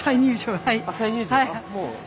はい。